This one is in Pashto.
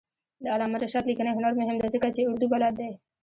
د علامه رشاد لیکنی هنر مهم دی ځکه چې اردو بلد دی.